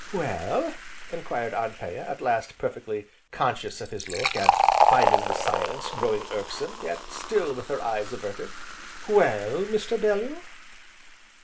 "Well?" enquired Anthea, at last, perfectly conscious of his look, and finding the silence growing irksome, yet still with her eyes averted, "Well, Mr. Bellew?"